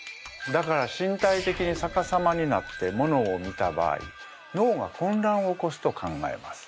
だから身体的にさかさまになってものを見た場合脳がこんらんを起こすと考えます。